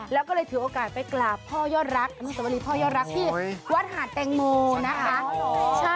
แล้วก็เลยถือโอกาสไปกล่าพ่อยอดรักที่วัดหาดแตงโมนะคะ